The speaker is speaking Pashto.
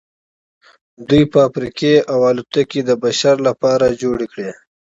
دوی فابریکې او الوتکې د بشر لپاره جوړې کړې